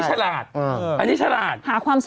หยุดลูกหยุดลูกทำไม